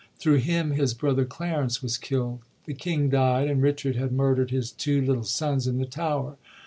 Thru him his brother Clarence was killd. The king died, and Richard had murderd his two little sons in the Tower.